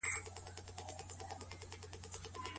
رسول الله له هغوی سره د کومي ورځي ژمنه وکړه؟